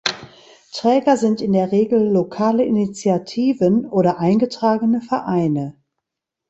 Träger sind in der Regel lokale Initiativen oder eingetragene Vereine.